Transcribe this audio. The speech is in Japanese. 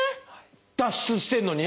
脱出してるのに？